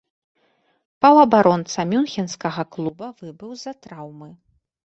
Паўабаронца мюнхенскага клуба выбыў з-за траўмы.